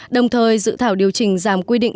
đồng thời dự thảo điều chỉnh giảm quy định